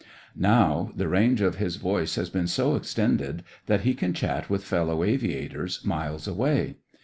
Now the range of his voice has been so extended that he can chat with fellow aviators miles away.